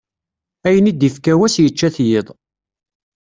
Ayen i d-ifka wass yečča-t yiḍ.